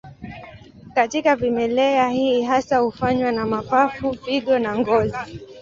Katika vimelea hii hasa hufanywa na mapafu, figo na ngozi.